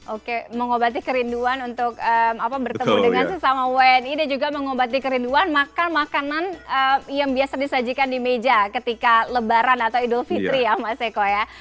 oke mengobati kerinduan untuk bertemu dengan sesama wni dan juga mengobati kerinduan makan makanan yang biasa disajikan di meja ketika lebaran atau idul fitri ya mas eko ya